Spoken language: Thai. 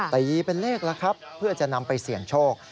ตีเป็นเลขแล้วครับเพื่อจะนำไปเสี่ยงโชค